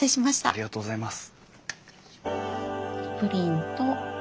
ありがとうございます。